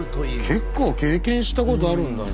結構経験したことあるんだね。